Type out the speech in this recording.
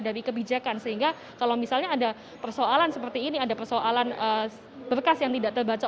dari kebijakan sehingga kalau misalnya ada persoalan seperti ini ada persoalan berkas yang tidak terbaca